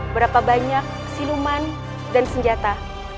berapa banyak siluman dan senjata